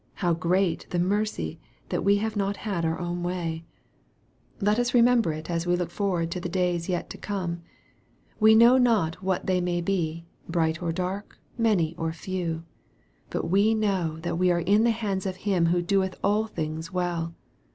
How great the mercy that we have not had our own wav 1 152 EXPOSITORY THOUGHTS. Let us remember it as we look forward to the days yet to come. We know not what they may be, bright or dark, many or few. But we know that we are in the hands of Him who " doeth all things well."